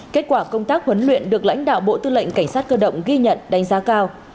kết quả công tác huấn luyện được lãnh đạo bộ tư lệnh cảnh sát cơ động ghi nhận đánh giá cao